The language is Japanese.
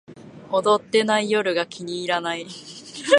踊ってない夜が気に入らない